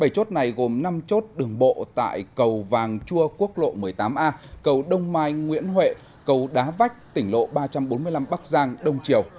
bảy chốt này gồm năm chốt đường bộ tại cầu vàng chua quốc lộ một mươi tám a cầu đông mai nguyễn huệ cầu đá vách tỉnh lộ ba trăm bốn mươi năm bắc giang đông triều